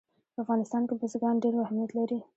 په افغانستان کې بزګان ډېر اهمیت لري.